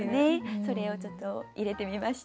それをちょっと入れてみました。